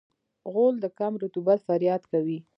غول د کم رطوبت فریاد کوي.